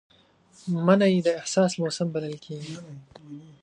مني د احساس موسم بلل کېږي